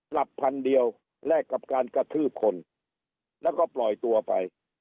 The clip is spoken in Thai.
พันเดียวแลกกับการกระทืบคนแล้วก็ปล่อยตัวไป